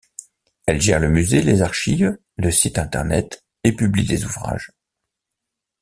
Elle gère le musée, les archives, le site Internet et publie des ouvrages.